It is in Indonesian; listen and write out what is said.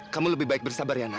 kamu lebih baik bersabar ya nak